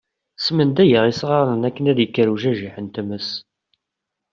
Ismendaga isɣaren akken ad ikker ujajiḥ n tmes.